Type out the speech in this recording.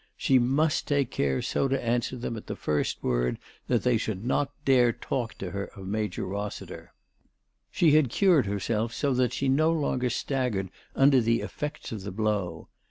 She must take care so to answer them at the first word that they should not dare to talk to her of Major Ros siter. She had cured herself so that she no longer staggered under the effects of the blow.